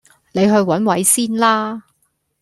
你去揾位先啦